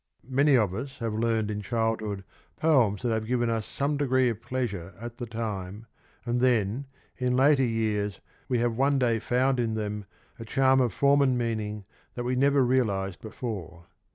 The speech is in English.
Many of us have learned in childhood poems that have given us some degree of pleasure at the time, and then in later years we have one day found in them a charm of form and meaning that we had never realised before.